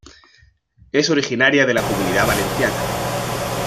Es originaria de la Comunidad Valenciana.